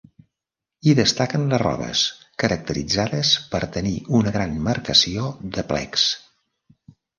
Hi destaquen les robes, caracteritzades per tenir una gran marcació de plecs.